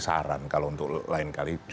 saran kalau untuk lain kali